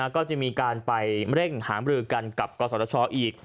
ก็จะมีการไปเร่งหาบริการกับกษทชอีก